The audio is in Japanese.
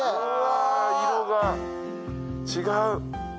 色が違う。